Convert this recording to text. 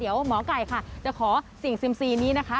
เดี๋ยวหมอไก่ค่ะจะขอสิ่งเซียมซีนี้นะคะ